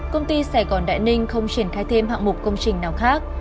công ty sài gòn đại ninh không triển khai thêm hạng mục công trình nào khác